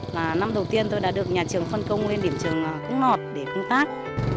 và năm đầu tiên tôi đã được nhà trường phân công lên điểm trường cung nọt để công tác